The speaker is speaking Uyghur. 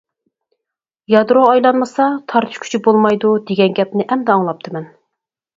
يادرو ئايلانمىسا تارتىش كۈچى بولمايدۇ دېگەن گەپنى ئەمدى ئاڭلاپتىمەن.